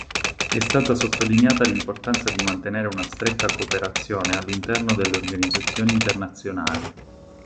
È stata sottolineata l'importanza di mantenere una stretta cooperazione all'interno delle organizzazioni internazionali.